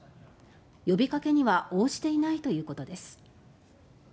呼びかけには応じていないということです。